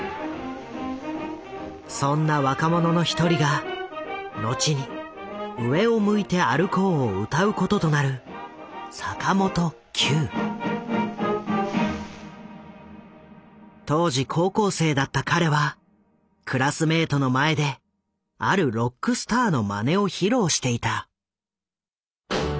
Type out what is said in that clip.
そんな若者の一人が後に「上を向いて歩こう」を歌うこととなる当時高校生だった彼はクラスメートの前であるロックスターのまねを披露していた。